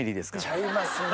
ちゃいますね。